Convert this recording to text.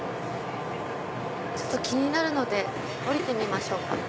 ちょっと気になるので降りてみましょうか。